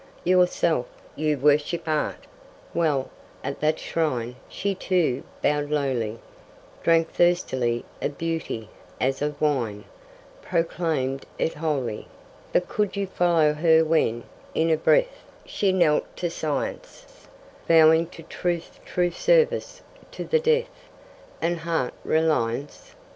Yourself you worship art! Well, at that shrine She too bowed lowly, Drank thirstily of beauty, as of wine, Proclaimed it holy. But could you follow her when, in a breath, She knelt to science, Vowing to truth true service to the death, And heart reliance?